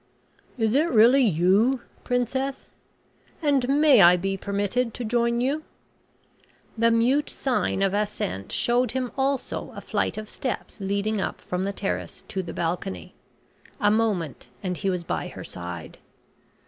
"Is it really you, Princess? And may I be permitted to join you?" The mute sign of assent showed him also a flight of steps leading up from the terrace to the balcony. A moment, and he was by her side.